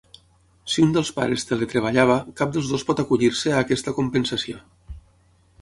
Si un dels pares teletreballava, cap dels dos pot acollir-se a aquesta compensació.